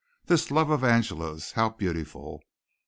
This love of Angela's, how beautiful.